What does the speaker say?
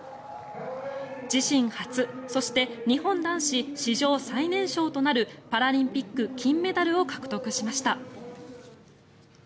自身初、そして日本男子史上最年少となるパラリンピック金メダルを獲得しました。